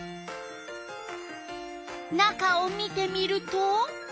中を見てみると。